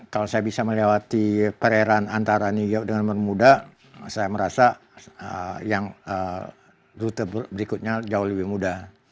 kalau saya bisa melewati perairan antara new york dengan bermuda saya merasa yang rute berikutnya jauh lebih mudah